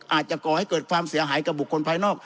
ก่อให้เกิดความเสียหายกับบุคคลภายนอก